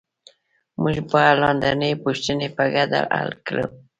موږ به لاندینۍ پوښتنې په ګډه حل کړو